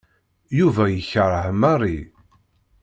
Yuba yekreh Mary.